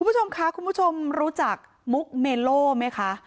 คุณผู้ชมค่ะคุณผู้ชมรู้จักมุกเมโลไหมคะ